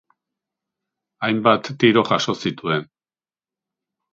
Hainbat tiro jaso zituen.